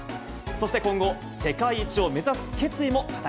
そして今後、世界一を目指す決意